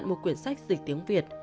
nhận một quyển sách dịch tiếng việt